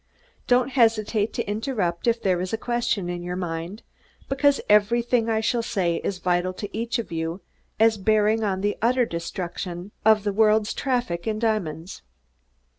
Don't hesitate to interrupt if there is a question in your mind, because everything I shall say is vital to each of you as bearing on the utter destruction of the world's traffic in diamonds.